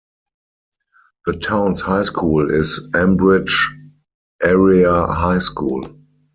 The town's high school is Ambridge Area High School.